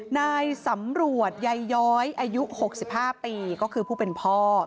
นายสำรวจใยย้อยอายุ๖๕ปีก็คือผู้เป็นพ่อ